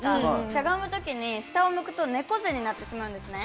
しゃがむときに下を向くと猫背になってしまうんですね。